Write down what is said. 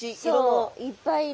そういっぱいいる。